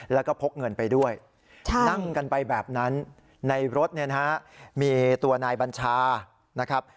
แล้วก็พกเงินไปด้วยนั่งกันไปแบบนั้นในรถเนี่ยนะฮะมีตัวนายบัญชานะครับ